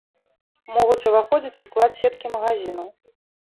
Могуць уваходзіць у склад сеткі магазінаў.